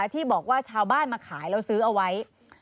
ที่บอกว่าชาวบ้านมาขายแล้วซื้อเอาไว้